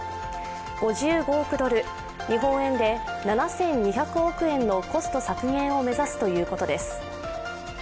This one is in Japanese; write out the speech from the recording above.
５５億ドル、日本円で７２００億円のコスト削減を目指すということです。